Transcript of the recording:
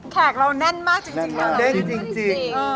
แขกเรานั่นมากจริง